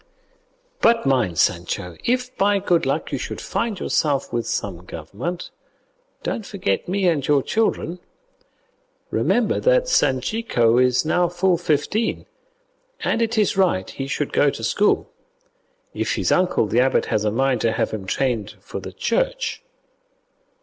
But mind, Sancho, if by good luck you should find yourself with some government, don't forget me and your children. Remember that Sanchico is now full fifteen, and it is right he should go to school, if his uncle the abbot has a mind to have him trained for the Church.